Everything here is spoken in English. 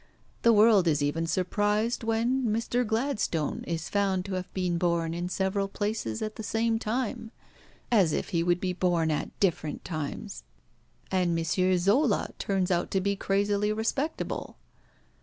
The world is even surprised when Mr. Gladstone is found to have been born in several places at the same time as if he would be born at different times! and M. Zola turns out to be crazily respectable.